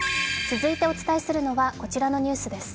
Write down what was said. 続いてお伝えするのはこちらのニュースです。